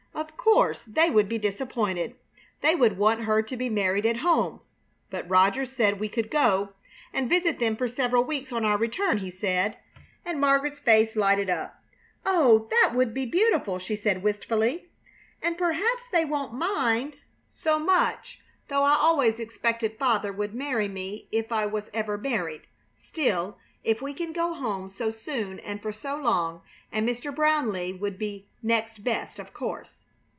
Of course, they would be disappointed! They would want her to be married at home! "But Rogers said we could go and visit them for several weeks on our return," he said; and Margaret's face lighted up. "Oh, that would be beautiful," she said, wistfully; "and perhaps they won't mind so much though I always expected father would marry me if I was ever married; still, if we can go home so soon and for so long and Mr. Brownleigh would be next best, of course."